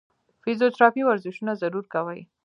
فزيوتراپي ورزشونه ضرور کوي -